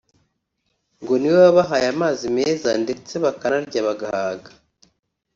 ngo niwe wabahaye amazi meza ndetse bakanarya bagahaga